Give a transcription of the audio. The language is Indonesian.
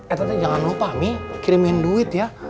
eh teteh jangan lupa mi kirimin duit ya